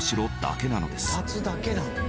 「２つだけなんだ」